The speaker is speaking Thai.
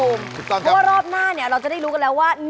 ถูกต้องครับค่ะเพราะว่ารอบหน้าเนี่ยเราจะได้รู้กันแล้วว่า